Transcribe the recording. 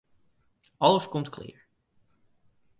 Alles komt klear.